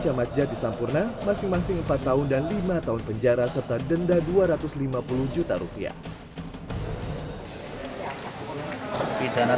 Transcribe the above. ahmad jadisampurna masing masing empat tahun dan lima tahun penjara serta denda dua ratus lima puluh juta rupiah